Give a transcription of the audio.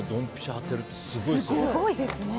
当てるってすごいですよね。